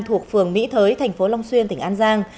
thuộc phường mỹ thới thành phố long xuyên tỉnh an giang